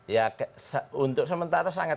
ya untuk sementara sangat